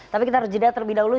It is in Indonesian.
tapi kita harus jeda terlebih dahulu